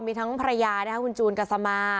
มีทั้งภรรยาคุณจูนกัสมา